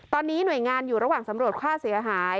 ตอนนี้หน่วยงานอยู่ระหว่างสำรวจค่าเสียหาย